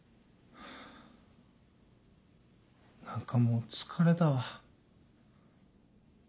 何かもう疲れたわ。